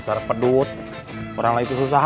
suara yang ke refrigerator